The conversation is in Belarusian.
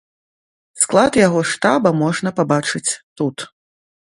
Склад яго штаба можна пабачыць тут.